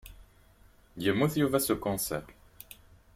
Yemmut Yuba s ukunṣiṛ.